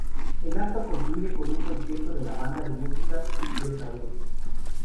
El acto concluye con un concierto de la banda de Música de Sahagún.